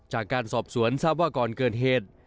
จากการสอบสวนทราบว่าก่อนเกิดเหตุ